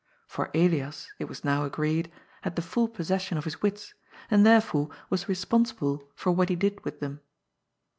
For Elias, it was now agreed, had the full possession of his wits, and therefore was responsible for what he did with them.